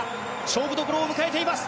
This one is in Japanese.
勝負どころを迎えています。